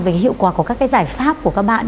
về hiệu quả của các cái giải pháp của các bạn